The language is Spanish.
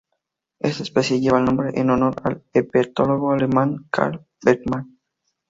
Esta especie lleva el nombre en honor al herpetólogo alemán Carl Bergmann.